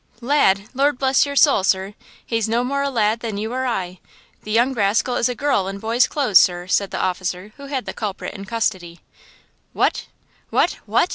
" 'Lad!' Lord bless your soul, sir, he's no more a lad than you or I! The young rascal is a girl in boy's clothes, sir!" said the officer who had the culprit in custody. "What–what–what!"